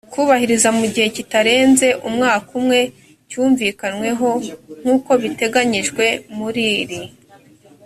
kubahiriza mu gihe kitarenze umwaka umwe cyumvikanweho nk uko biteganyijwe muri iri